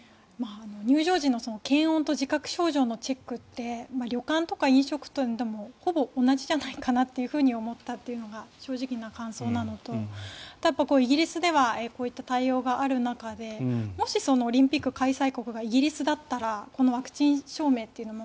入場時の検温と自覚症状のチェックって旅館とか飲食店でもほぼ同じじゃないかなと思ったというのが正直な感想なのとあとはイギリスではこういった対応がある中でもし、オリンピック開催国がイギリスだったらこのワクチン証明というものも